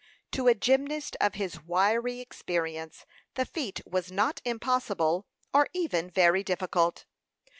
To a gymnast of his wiry experience, the feat was not impossible, or even very difficult.